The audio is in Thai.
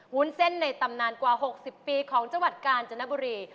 วุ้นเส้นในตำนานกว่า๖๐ปีของจังหวัดกาญจนบุรี